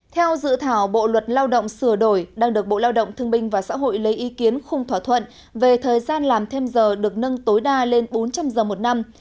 theo dự thảo bộ luật lao động sửa đổi đang được bộ lao động thương binh và xã hội lấy ý kiến khung thỏa thuận về thời gian làm thêm giờ được nâng tối đa lên bốn trăm linh giờ một năm